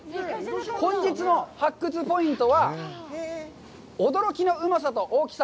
本日の発掘ポイントは、「驚きのうまさと大きさ！